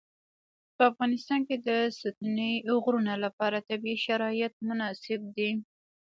په افغانستان کې د ستوني غرونه لپاره طبیعي شرایط مناسب دي.